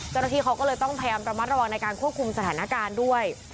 เจ้าหน้าที่เขาก็เลยต้องพยายามระมัดระวังในการควบคุมสถานการณ์ด้วย